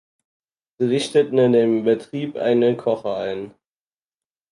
Sie richteten in dem Betrieb einen Kocher ein.